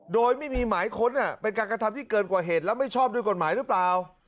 โดยไม่มีหมายค้นเป็นการกระทำที่เกินกว่าเหตุและไม่ชอบด้วยกฎหมายหรือเปล่า